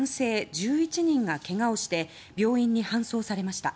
１１人が怪我をして病院に搬送されました。